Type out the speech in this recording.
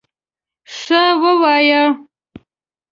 _ښه، ووايه!